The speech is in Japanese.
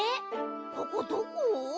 ここどこ？